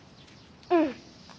うん。